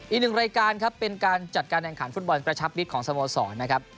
อีกหนึ่งรายการครับเป็นการจัดการแข่งขันฟุตบอลประชับมิตรของสโมสรนะครับ